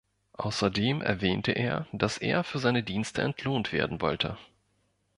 Außerdem erwähnte er, dass er für seine Dienste entlohnt werden wollte.